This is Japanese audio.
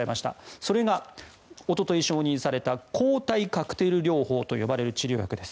それがおととい承認された抗体カクテル療法と呼ばれる治療薬です。